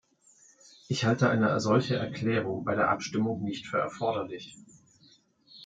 Ich halte eine solche Erklärung bei der Abstimmung nicht für erforderlich.